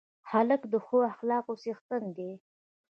هلک د ښه اخلاقو څښتن دی.